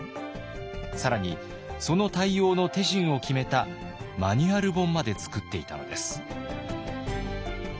更にその対応の手順を決めたマニュアル本まで作っていたのです。